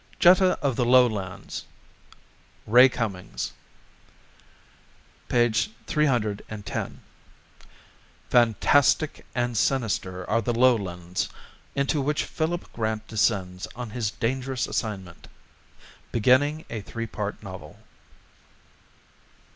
_ JETTA OF THE LOWLANDS RAY CUMMINGS 310 Fantastic and Sinister Are the Lowlands into Which Philip Grant Descends on His Dangerous Assignment. (Beginning a Three Part Novel.)